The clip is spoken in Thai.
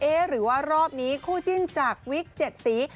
หรือว่ารอบนี้คู่จิ้นจากวิก๗สี